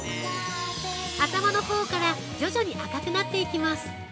頭のほうから徐々に赤くなっていきます。